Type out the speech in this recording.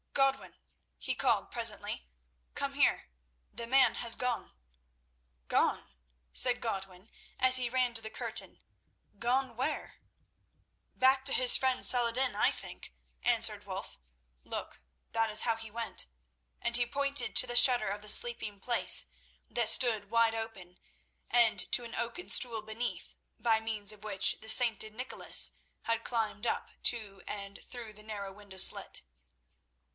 "Godwin," he called presently, "come here. The man has gone!" "Gone?" said Godwin as he ran to the curtain. "Gone where?" "Back to his friend Saladin, I think," answered Wulf. "Look, that is how he went." And he pointed to the shutter of the sleeping place, that stood wide open, and to an oaken stool beneath, by means of which the sainted Nicholas had climbed up to and through the narrow window slit.